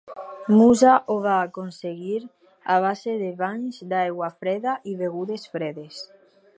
Musa ho va aconseguir a base de banys d'aigua freda i begudes fredes.